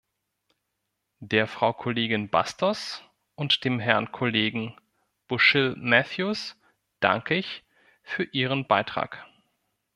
Der Frau Kollegin Bastos und dem Herrn Kollegen Bushill-Matthews danke ich für ihren Beitrag.